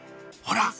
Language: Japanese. ほら！